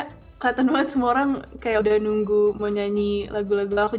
kelihatan banget semua orang kayak udah nunggu mau nyanyi lagu lagu aku